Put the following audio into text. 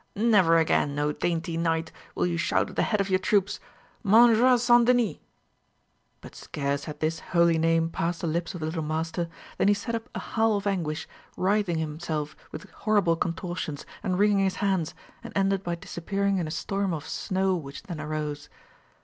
Never again, O dainty knight, will you shout at the head of your troops, 'Mountjoy St. Denys!'" But scarce had this holy name passed the lips of the little Master, than he set up a howl of anguish, writhing himself with horrible contortions, and wringing his hands, and ended by disappearing in a storm of snow which then arose.